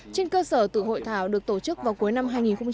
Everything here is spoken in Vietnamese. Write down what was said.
trên cơ sở tự hội thảo được tổ chức vào cuối năm hai nghìn một mươi chín